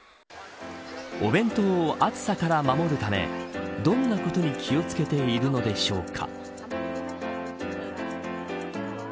お弁当を暑さから守るためどんなことに気を付けているのでしょうか。